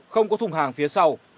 không có thùng hàng phía sau